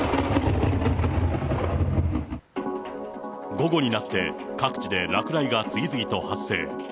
午後になって、各地で落雷が次々と発生。